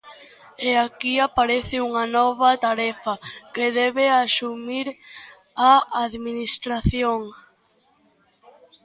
E aquí aparece unha nova tarefa que debe asumir a Administración.